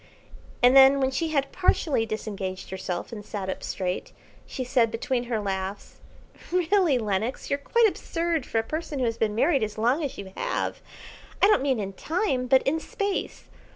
And then when she had partially disengaged herself and sat up straight, she said between her laughs "Really, Lenox, you're quite absurd for a person who has been married as long as you have, I don't mean in time, but in Space.